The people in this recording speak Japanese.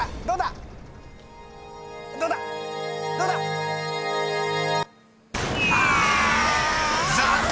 どうだ⁉あ！